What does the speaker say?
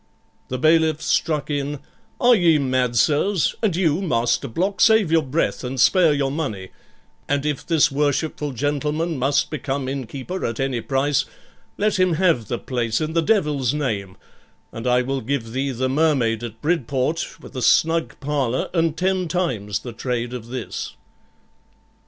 The bailiff struck in: 'Are ye mad, sirs, and you, Master Block, save your breath, and spare your money; and if this worshipful gentleman must become innkeeper at any price, let him have the place in the Devil's name, and I will give thee the Mermaid, at Bridport, with a snug parlour, and ten times the trade of this.'